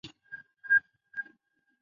周达明貌似日本艺能界名人西城秀树。